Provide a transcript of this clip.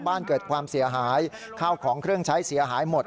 บ้านเกิดความเสียหายข้าวของเครื่องใช้เสียหายหมด